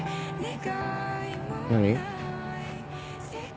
何？